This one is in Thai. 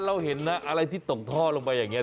แล้วเห็นนะอะไรที่ต่องทอลงไปอย่างนี้